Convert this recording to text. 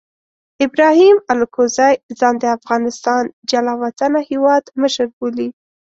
ابراهیم الکوزي ځان د افغانستان جلا وطنه هیواد مشر بولي.